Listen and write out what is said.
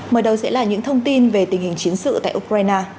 mở đầu sẽ là những thông tin về tình hình chiến sự tại ukraine